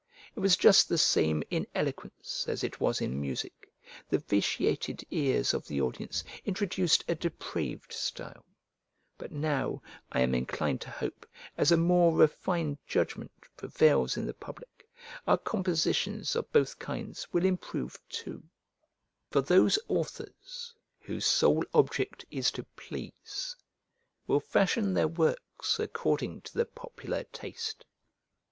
It was just the same in eloquence as it was in music, the vitiated ears of the audience introduced a depraved style; but now, I am inclined to hope, as a more refined judgment prevails in the public, our compositions of both kinds will improve too; for those authors whose sole object is to please will fashion their works according to the popular taste.